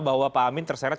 bahwa pak amin terseret